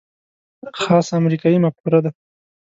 خاصه امریکايي مفکوره ده.